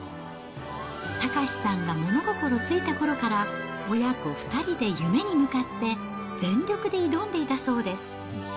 岳さんが物心ついたころから、親子２人で夢に向かって、全力で挑んでいたそうです。